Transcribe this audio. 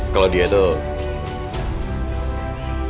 kalau dia tuh